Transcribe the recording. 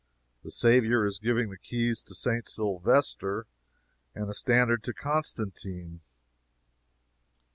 The Saviour is giving the keys to St. Silvester, and a standard to Constantine.